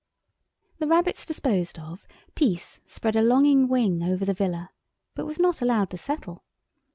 The rabbits disposed of, peace spread a longing wing over the villa, but was not allowed to settle.